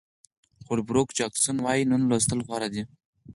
هول بروک جاکسون وایي نن لوستل غوره دي.